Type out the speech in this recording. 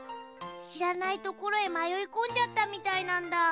しらないところへまよいこんじゃったみたいなんだ。